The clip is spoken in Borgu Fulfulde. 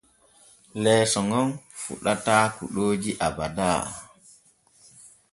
Leeso ŋon fuɗataa kuɗooji abada.